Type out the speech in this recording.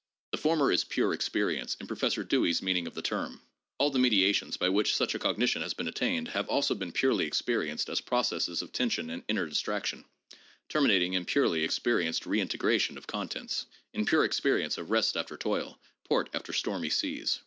The former is * pure experience,' in Professor Dewey's mean ing of the term. All the mediations by which such a cognition has been attained have also been purely experienced as processes of tension and inner distraction, terminating in purely experienced redintegration of contents : in pure experience of rest after toil, port after stormy seas.